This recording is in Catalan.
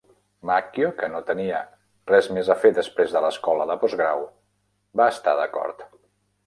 Macchio, que no tenia "res més a fer després de l'escola de postgrau", va estar d'acord.